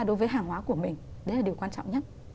đối với hàng hóa của mình đấy là điều quan trọng nhất